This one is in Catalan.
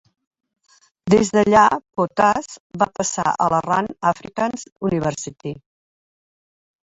Des d'allà, Pothas va passar a la Rand Afrikaans University.